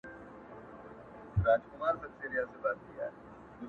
چی مات سوي یو زړه ماتي او کمزوري،